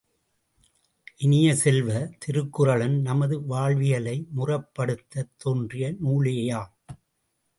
இனிய செல்வ, திருக்குறளும் நமது வாழ்வியலை முறைப்படுத்தத் தோன்றிய நூலேயாம்.